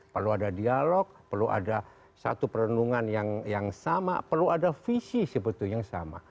perlu ada dialog perlu ada satu perenungan yang sama perlu ada visi sebetulnya yang sama